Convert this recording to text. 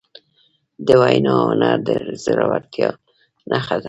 د وینا هنر د زړهورتیا نښه ده.